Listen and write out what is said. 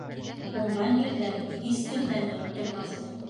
Уңған ирҙәр һис кемдән оттормаҫ.